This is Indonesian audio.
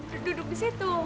terus duduk di situ